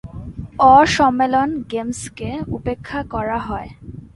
অ-সম্মেলন গেমসকে উপেক্ষা করা হয়।